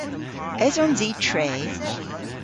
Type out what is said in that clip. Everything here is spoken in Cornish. Esons i tre?